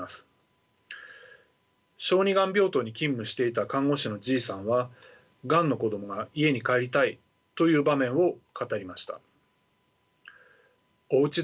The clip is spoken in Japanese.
小児がん病棟に勤務していた看護師のＧさんはがんの子どもが家に帰りたいと言う場面を語りました。